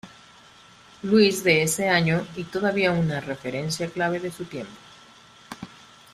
Louis de ese año y todavía una referencia clave de su tiempo.